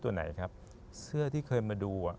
ตัวไหนครับเสื้อที่เคยมาดูอ่ะ